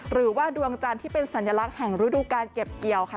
หรือว่าดวงจันทร์ที่เป็นสัญลักษณ์แห่งฤดูการเก็บเกี่ยวค่ะ